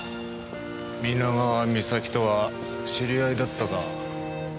皆川美咲とは知り合いだったか。